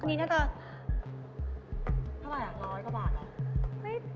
อันนี้น่าจะกระบาดอย่างน้อยกระบาดอ่ะ